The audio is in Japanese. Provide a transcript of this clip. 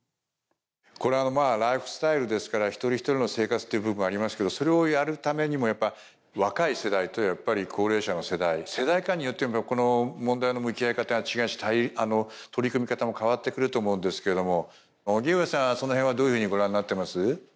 これライフスタイルですから一人一人の生活という部分はありますけどそれをやるためにもやっぱ若い世代とやっぱり高齢者の世代世代間によってもこの問題の向き合い方が違うし取り組み方も変わってくると思うんですけれども荻上さんはその辺はどういうふうにご覧になってます？